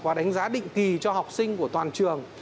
và đánh giá định kỳ cho học sinh của toàn trường